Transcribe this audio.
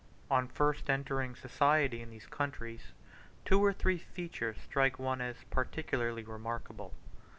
On first entering society in these countries, two or three features strike one as particularly remarkable.